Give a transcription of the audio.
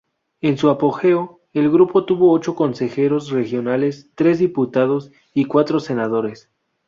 En su apogeo, el grupo tuvo ocho consejeros regionales, tres diputados y cuatro senadores.